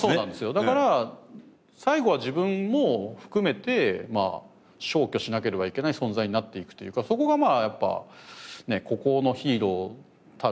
だから最後は自分も含めて消去しなければいけない存在になっていくというかそこがやっぱ孤高のヒーローたる。